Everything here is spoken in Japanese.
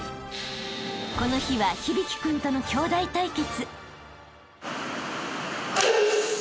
［この日は響君との兄弟対決］